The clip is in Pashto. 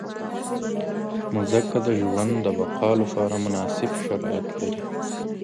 مځکه د ژوند د بقا لپاره مناسب شرایط لري.